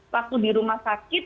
waktu di rumah sakit